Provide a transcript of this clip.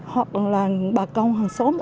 hoặc là bà công hàng xóm